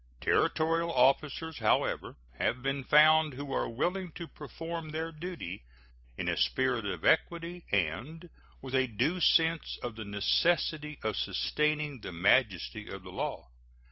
Territorial officers, however, have been found who are willing to perform their duty in a spirit of equity and with a due sense of the necessity of sustaining the majesty of the law.